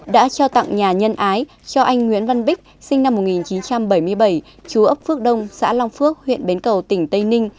đã trao tặng nhà nhân ái cho anh nguyễn văn bích sinh năm một nghìn chín trăm bảy mươi bảy chú ấp phước đông xã long phước huyện bến cầu tỉnh tây ninh